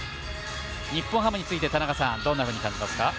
日本ハムについて田中さんどんなふうに感じますか？